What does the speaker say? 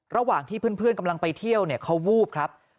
ระหว่างที่เพื่อนกำลังไปเที่ยวเนี่ยเขาวูบครับ